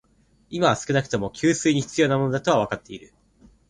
今は少なくとも、給水に必要なものだとはわかっている